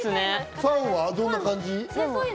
ファンはどんな感じ？